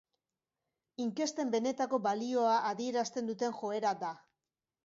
Inkesten benetako balioa adierazten duten joera da.